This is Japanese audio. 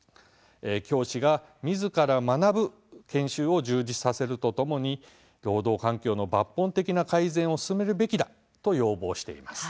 教師がみずから学ぶ研修を充実させるとともに労働環境の抜本的な改善を進めるべきだ」と要望しています。